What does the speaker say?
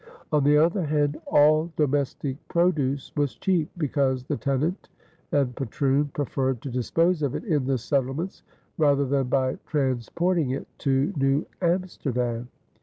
On the other hand all domestic produce was cheap, because the tenant and patroon preferred to dispose of it in the settlements rather than by transporting it to New Amsterdam.